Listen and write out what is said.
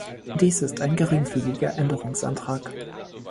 Dies ist ein geringfügiger Änderungsantrag.